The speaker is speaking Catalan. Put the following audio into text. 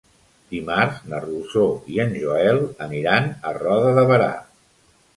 Dimarts na Rosó i en Joel aniran a Roda de Berà.